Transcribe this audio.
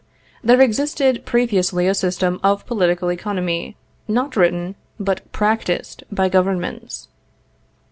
There existed previously a system of political economy, not written, but practiced by governments.